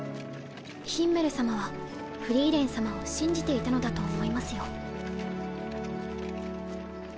ヒンメル様はフリーレン様を信じていたのだと思いますよ。